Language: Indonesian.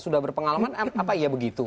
sudah berpengalaman apa iya begitu